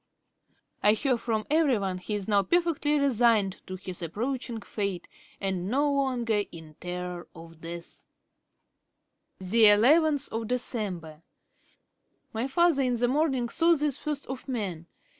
I hear from everyone he is now perfectly resigned to his approaching fate, and no longer in terror of death.' 'Dec. 11. My father in the morning saw this first of men.